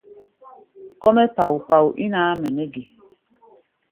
Kɔ́-mɛ́ pao-pao ín ǎmʼɛ nɛ́ ge?